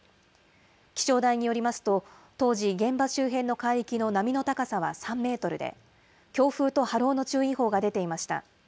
気象台によりますと、当時、現場周辺の海域の波の高さは３メートルで、強風と波浪の注意報が出ていました。